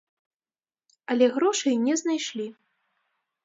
Але грошай не знайшлі.